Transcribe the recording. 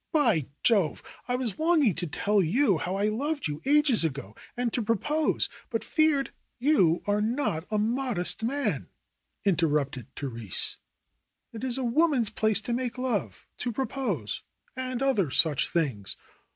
By Jove! I was longing to tell you how I loved you ages ago and to propose, but feared 18 THE ROSE COLORED WORLD 'Wou are not a modest man/' interrupted Therese. ^^It is a woman's place to make love, to propose and other such things."